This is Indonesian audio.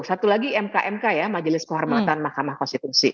satu lagi mk mk ya majelis kehormatan mahkamah konstitusi